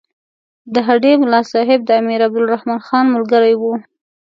د هډې ملاصاحب د امیر عبدالرحمن خان ملګری وو.